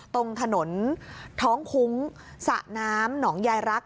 ตรงถนนท้องคุ้งสระน้ำหนองยายรัก